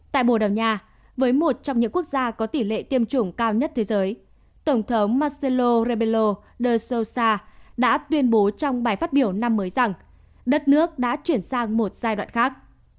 tại bồ đào nha với một trong những quốc gia có tỷ lệ tiêm chủng cao nhất thế giới tổng thống macello rabello de sosha đã tuyên bố trong bài phát biểu năm mới rằng đất nước đã chuyển sang một giai đoạn khác